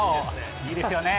いいですよね。